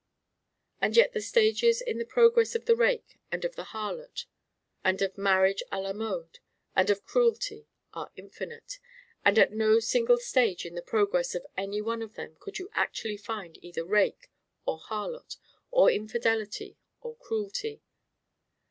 And yet the stages in the progress of the rake and of the harlot and of marriage à la mode and of cruelty are infinite; and at no single stage in the progress of any one of them could you actually find either Rake or Harlot or Infidelity or Cruelty.